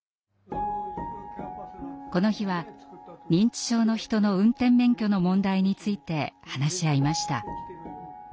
この日は認知症の人の運転免許の問題について話し合いました。